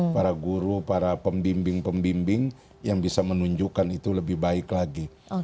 para guru para pembimbing pembimbing yang bisa menunjukkan itu lebih baik lagi